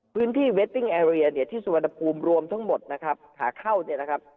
พื้นที่ที่สวรรค์รวมทั้งหมดนะครับขาเข้าเนี้ยนะครับ